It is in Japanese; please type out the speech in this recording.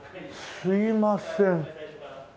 すいません。